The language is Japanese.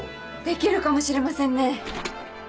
できるかもしれませんね。